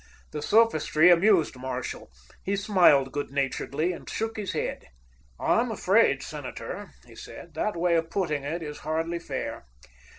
The sophistry amused Marshall. He smiled good naturedly and shook his head. "I'm afraid, Senator," he said, "that way of putting it is hardly fair.